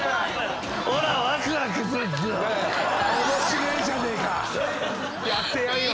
「面白えじゃねえかやってやんよ」